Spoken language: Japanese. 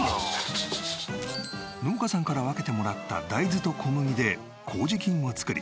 農家さんから分けてもらった大豆と小麦で麹菌を作り